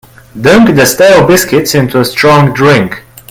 Dunk the stale biscuits into strong drink.